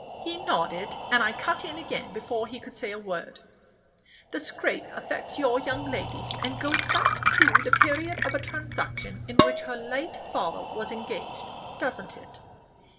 (He nodded, and I cut in again before he could say a word): "The scrape affects your young lady, and goes back to the period of a transaction in which her late father was engaged, doesn't it?"